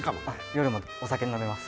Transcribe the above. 夜もお酒飲めます